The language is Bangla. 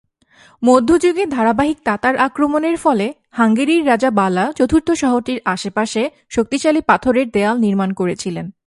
মধ্যযুগে ধারাবাহিক তাতার আক্রমণের ফলে হাঙ্গেরির রাজা বালা চতুর্থ শহরটির আশেপাশে শক্তিশালী পাথরের দেয়াল নির্মাণ করেছিলেন।